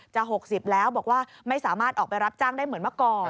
๖๐แล้วบอกว่าไม่สามารถออกไปรับจ้างได้เหมือนเมื่อก่อน